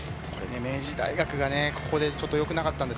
明治大学がちょっと良くなかったんです。